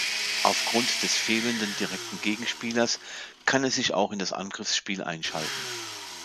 Aufgrund des fehlenden direkten Gegenspielers kann er sich auch in das Angriffsspiel einschalten.